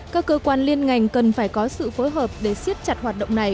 các cơ quan liên ngành cần phải có sự phối hợp để siết chặt hoạt động này